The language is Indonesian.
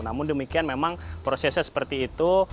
namun demikian memang prosesnya seperti itu